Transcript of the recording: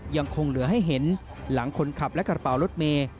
ยังคงเหลือให้เห็นหลังคนขับและกระเป๋ารถเมย์